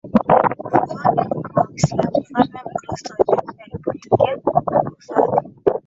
mwanzoni mwa Uislamu Mfalme Mkristo wa Ethiopia alipokea na kuhifadhi